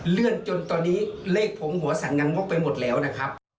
เลื่อนจนตอนนี้เลขผมหัวสั่งงังงกไปหมดแล้วนะครับ